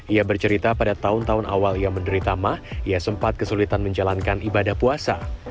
ia bercerita pada tahun tahun awal ia menderita mah ia sempat kesulitan menjalankan ibadah puasa